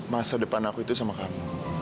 masa depan aku itu sama kami